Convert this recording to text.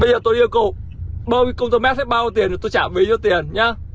bây giờ tôi yêu cầu bao nhiêu công tương mét bao nhiêu tiền thì tôi trả mấy nhiêu tiền nhé